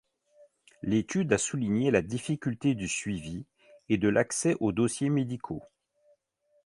L'étude a souligné la difficulté du suivi, et de l'accès aux dossiers médicaux.